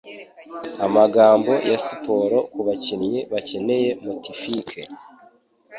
amagambo ya siporo kubakinnyi bakeneye motifike